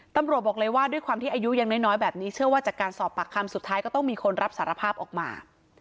ตำรวจบอกเลยว่าด้วยความที่อายุยังน้อยแบบนี้เชื่อว่าจากการสอบปากคำสุดท้ายก็ต้องมีคนรับสารภาพออกมา